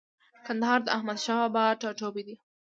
کندهار د احمدشاه بابا ټاټوبۍ دی.